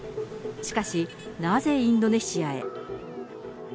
しかし、なぜインドネシアへ。